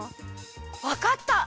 わかった！